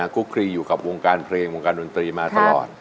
คุกคลีอยู่กับวงการเพลงวงการดนตรีมาตลอด